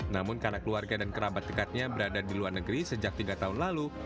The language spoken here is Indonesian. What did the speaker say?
namun karena keluarga dan kerabat dekatnya berada di luar negeri sejak tiga tahun lalu